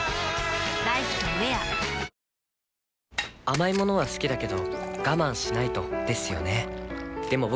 甘い物は好きだけど我慢しないとですよね